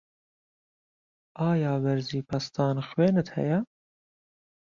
ئایا بەرزی پەستان خوێنت هەیە؟